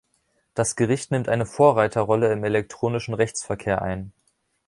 Das Gericht nimmt eine Vorreiterrolle im elektronischen Rechtsverkehr ein.